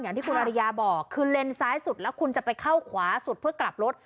อย่างที่คุณอริยาบอกคือเลนซ้ายสุดแล้วคุณจะไปเข้าขวาสุดเพื่อกลับรถ